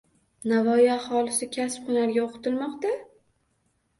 Navoiy aholisi kasb-hunarga o‘qitilmoqda?